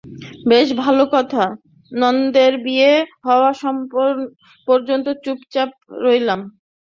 বেশ ভালো কথা, ননদের বিয়ে হওয়া পর্যন্ত চুপচাপ রইলাম।